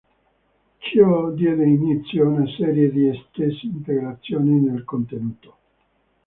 Ciò diede inizio a una serie di estese integrazioni nel contenuto.